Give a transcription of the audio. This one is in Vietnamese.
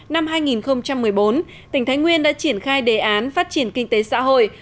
năm hai nghìn một mươi bốn tỉnh thái nguyên đã triển khai đề án phát triển kinh tế xã hội